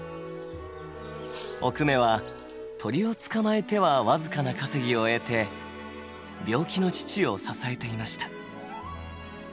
おくめは鳥を捕まえては僅かな稼ぎを得て病気の父を支えていました。